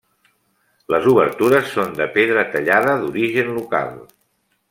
Les obertures són de pedra tallada d'origen local.